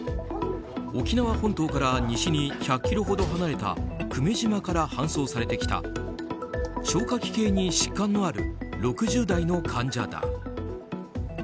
沖縄本島から西に１００ｋｍほど離れた久米島から搬送されてきた消化器系に疾患のある６０代の患者だ。